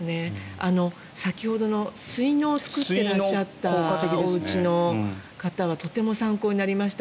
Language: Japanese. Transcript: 先ほどの水のうを作っていらっしゃったおうちの方はとても参考になりました。